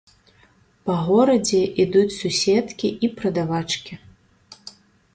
Па горадзе ідуць суседкі і прадавачкі.